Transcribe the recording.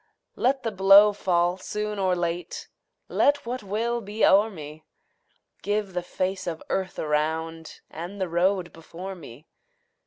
Let the blow fall soon or late, Let what will be o'er me; Give the face of earth around And the road before me.